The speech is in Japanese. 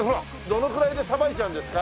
どのくらいでさばいちゃうんですか？